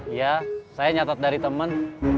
iya saya nyatet dari temen